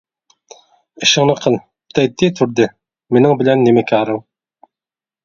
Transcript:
ئىشىڭنى قىل، دەيتتى تۇردى، مېنىڭ بىلەن نېمە كارىڭ.